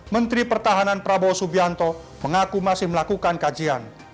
menteri pertahanan prabowo subianto mengaku masih melakukan kajian